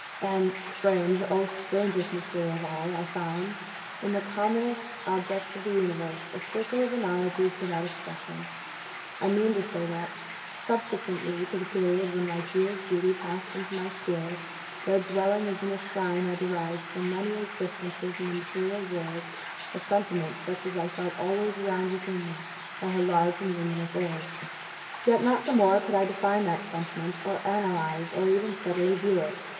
And (strange, oh, strangest mystery of all!) I found, in the commonest objects of the universe, a circle of analogies to that expression. I mean to say that, subsequently to the period when Ligeia's beauty passed into my spirit, there dwelling as in a shrine, I derived, from many existences in the material world, a sentiment such as I felt always around, within me, by her large and luminous orbs. Yet not the more could I define that sentiment, or analyze, or even steadily view it.